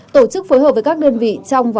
tổ chức phối hợp với các đơn vị trong và ngoài ngay